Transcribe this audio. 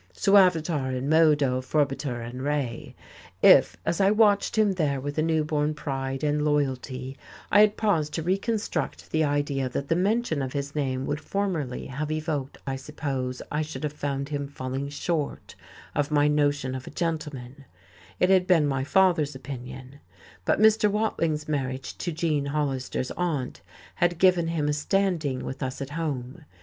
Suavitar in modo, forbiter in re. If, as I watched him there with a newborn pride and loyalty, I had paused to reconstruct the idea that the mention of his name would formerly have evoked, I suppose I should have found him falling short of my notion of a gentleman; it had been my father's opinion; but Mr. Watling's marriage to Gene Hollister's aunt had given him a standing with us at home.